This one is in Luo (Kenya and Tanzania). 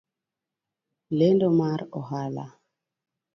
Lendo mar ohala